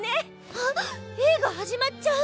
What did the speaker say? あっ映画始まっちゃう！